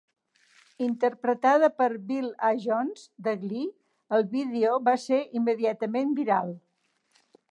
Interpretada per Bill A. Jones de "Glee" el vídeo es va ser immediatament viral.